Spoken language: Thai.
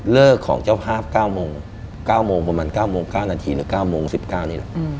เลิกของเจ้าภาพ๙โมง๙โมงประมาณ๙โมง๙นาทีหรือ๙โมง๑๙นี้